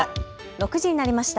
６時になりました。